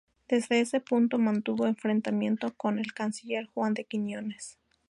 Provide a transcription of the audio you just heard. Desde ese puesto mantuvo enfrentamientos con el canciller Juan de Quiñones.